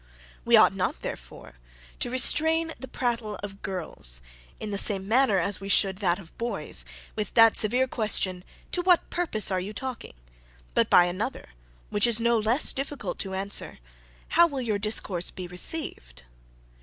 "We ought not, therefore, to restrain the prattle of girls, in the same manner as we should that of boys, with that severe question, 'To what purpose are you talking?' but by another, which is no less difficult to answer, 'How will your discourse be received?'